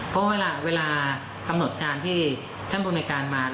เพราะเวลากำหนดการที่ท่านบริการมา